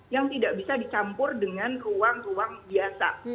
yang tidak bisa dicampur dengan ruang ruang biasa